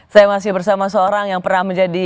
saya masih bersama seorang yang pernah menjadi